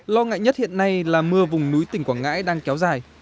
lo ngại nhất hiện nay là mưa vùng núi tỉnh quảng ngãi đang kéo dài